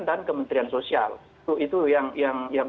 dan kementerian sosial itu yang